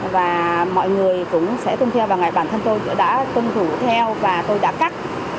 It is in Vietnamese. và mọi người cũng sẽ tuân theo và bản thân tôi cũng đã tuân thủ theo và tôi đã cắt